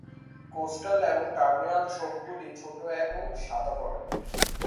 Coastal এবং terminal ছোপগুলি ছোট এবং সাদা বর্নের।